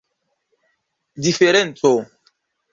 diferenco